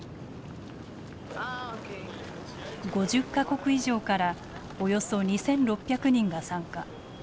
５０か国以上からおよそ２６００人が参加。